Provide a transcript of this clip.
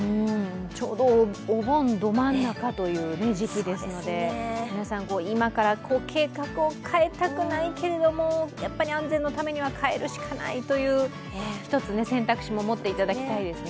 ちょうどお盆ど真ん中という時期ですので、皆さん、今から計画を変えたくないけれども、やっぱり安全のためには帰るしかないという一つ、選択肢も持っていただきたいですね。